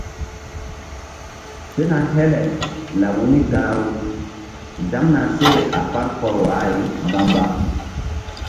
Sena hele laɓ wu̧y gahru zaŋna seh a fal kɔr wa-ay mbamba.